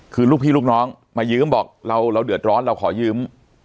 คือลูกพี่ลูกน้องมายืมบอกเราเดือดร้อนเราขอยืม